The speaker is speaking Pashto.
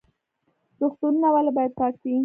روغتونونه ولې باید پاک وي؟